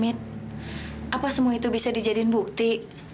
mit apa semua itu bisa dijadiin bukti